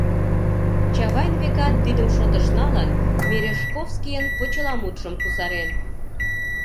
Чавайн, векат, тидым шотыш налын, Мережковскийын почеламутшым кусарен.